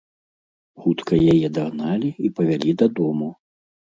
Хутка яе дагналі і павялі дадому.